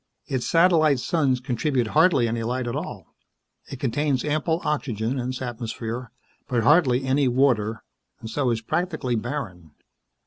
Its satellite suns contribute hardly any light at all. It contains ample oxygen in its atmosphere, but hardly any water, and so is practically barren.